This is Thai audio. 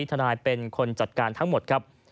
ทนายเป็นคนจัดการทั้งหมดครับ